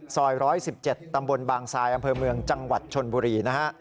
ซอย๑๑๗ตำบลบางทรายอำเภอเมืองจังหวัดชนบุรีนะฮะ